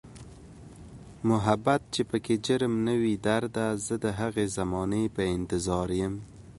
محبت چې پکې جرم نه وي درده، زه د هغې زمانې په انتظاریم